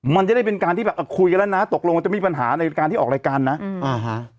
มันจะได้เป็นการที่แบบอ่ะคุยกันแล้วนะตกลงมันจะมีปัญหาในการที่ออกรายการนะอืมอ่าฮะ